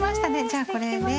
じゃあこれで。